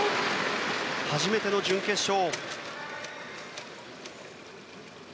初めての準決勝。